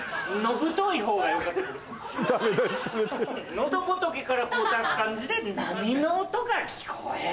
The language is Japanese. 喉仏から出す感じで「波の音が聞こえる」。